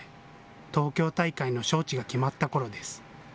東京大会の招致が決まったころです。